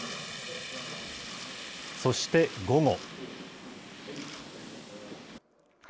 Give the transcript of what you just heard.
そして午後。